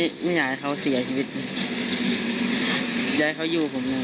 แล้วหลังจากนั้นเราขับหนีเอามามันก็ไล่ตามมาอยู่ตรงนั้น